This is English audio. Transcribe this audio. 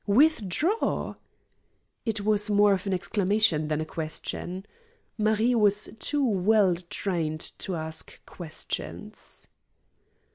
"Withdraw?" It was more of an exclamation than a question. Marie was too well trained to ask questions.